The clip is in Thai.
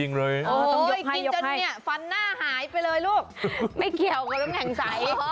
กินจนฟันหน้าหายไปเลยลูกไม่เกี่ยวกับน้ำแข็งใส